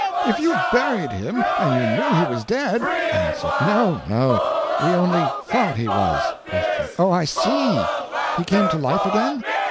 If you buried him, and you knew he was dead. A. No! no! We only thought he was. Q. Oh, I see! He came to life again?